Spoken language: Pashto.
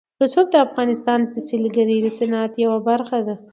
رسوب د افغانستان د سیلګرۍ د صنعت یوه برخه ده.